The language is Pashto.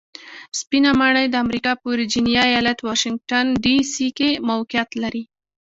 سپینه ماڼۍ د امریکا په ویرجینیا ایالت واشنګټن ډي سي کې موقیعت لري.